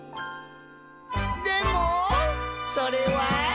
「でも、それは」